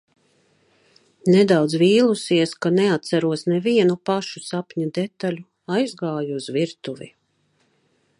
Nedaudz vīlusies, ka neatceros nevienu pašu sapņa detaļu, aizgāju uz virtuvi.